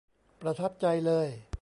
ประทับใจเลย